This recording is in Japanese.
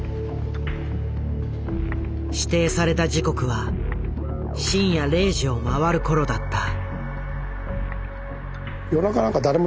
指定された時刻は深夜０時を回る頃だった。